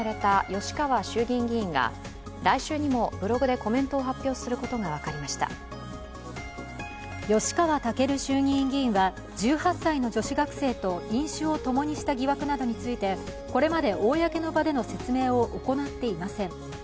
吉川赳衆議院議員は１８歳の女子学生と飲酒をともにした疑惑などについてこれまで公の場での説明を行っていません。